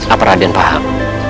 apa raden paham